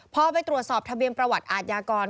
พอไปตรวจสอบทะเบียนประวัติอาทยากร